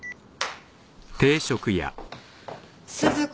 鈴子